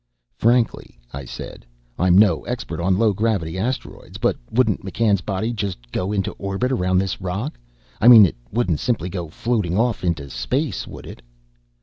"Frankly," I said, "I'm no expert on low gravity and asteroids. But wouldn't McCann's body just go into orbit around this rock? I mean, it wouldn't simply go floating off into space, would it?"